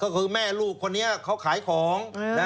ก็คือแม่ลูกคนนี้เขาขายของ